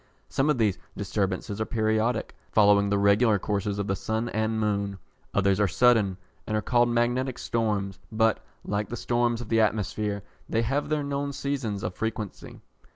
Some of these disturbances are periodic, following the regular courses of the sun and moon. Others are sudden, and are called magnetic storms, but, like the storms of the atmosphere, they have their known seasons of frequency.